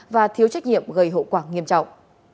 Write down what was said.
và thiếu trách nhiệm gây hậu quả nghiêm trọng